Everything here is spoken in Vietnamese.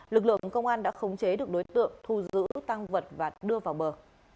lực lượng công an đã khống chế được đối tượng thu giữ tăng vật và đưa vào bờ